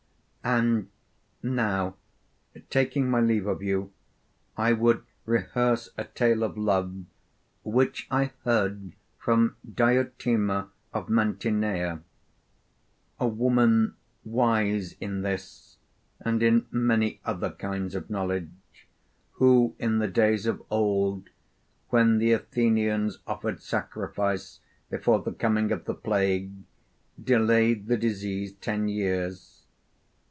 And now, taking my leave of you, I would rehearse a tale of love which I heard from Diotima of Mantineia (compare 1 Alcibiades), a woman wise in this and in many other kinds of knowledge, who in the days of old, when the Athenians offered sacrifice before the coming of the plague, delayed the disease ten years.